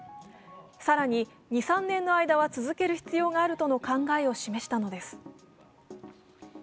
更に２３年の間は続ける必要があるとの考えを示したのです。